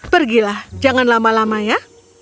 pergilah jangan lama lama ya